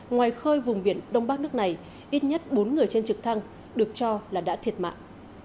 ngoài khơi vùng biển đông bắc nước này ít nhất bốn người trên trực thăng được cho là đã thiệt mạng